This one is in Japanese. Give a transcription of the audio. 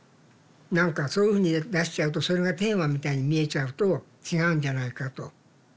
何かそういうふうに出しちゃうとそれがテーマみたいに見えちゃうと違うんじゃないかと。